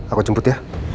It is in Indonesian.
aku jemput ya